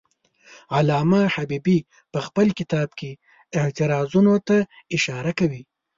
علامه حبیبي په خپل کتاب کې اعتراضونو ته اشاره کوي.